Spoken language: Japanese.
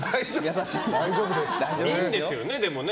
いいんですよね、でもね。